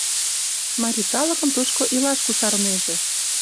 Марий калыкым тушко илаш кусарынеже».